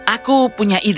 aku punya ide